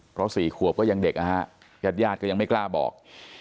เพราะ๔ขวบก็ยังเด็กยัดยาดก็ยังไม่กล้าบอก